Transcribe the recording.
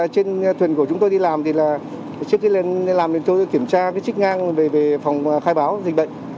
trên thuyền của chúng tôi đi làm thì là trước khi lên làm thì tôi kiểm tra cái chức ngang về phòng khai báo dịch bệnh